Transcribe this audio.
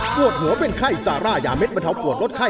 ปวดหัวเป็นไข้ซาร่ายาเด็ดบรรเทาปวดลดไข้